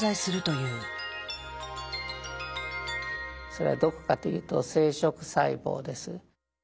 それはどこかというと生殖細胞です。